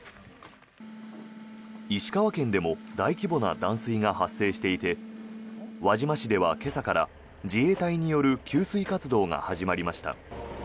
石川県でも大規模な断水が発生していて輪島市では今朝から自衛隊による給水活動が始まりました。